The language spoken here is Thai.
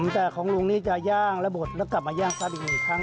แต่ของลุงนี่จะย่างและบดแล้วกลับมาย่างซัดอีกหนึ่งครั้ง